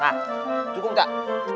nah cukup gak